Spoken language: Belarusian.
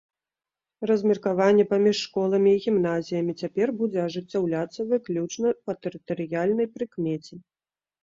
Размеркаванне паміж школамі і гімназіямі цяпер будзе ажыццяўляцца выключна па тэрытарыяльнай прыкмеце.